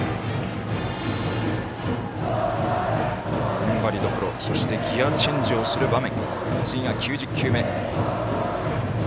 ふんばりどころそして、ギヤチェンジをする場面。